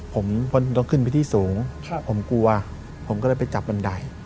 ผมต้องขึ้นไปที่สูงผมกลัวผมก็เลยไปจับบันได